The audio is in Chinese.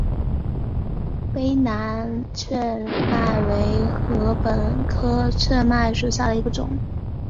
卑南雀麦为禾本科雀麦属下的一个种。